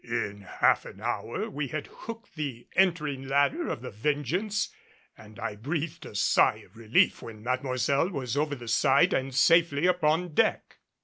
In half an hour we had hooked the entering ladder of the Vengeance and I breathed a sigh of relief when Mademoiselle was over the side and safely upon deck.